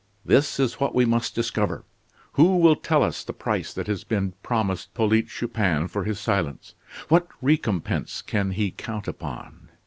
This is what we must discover. Who will tell us the price that has been promised Polyte Chupin for his silence? What recompense can he count upon?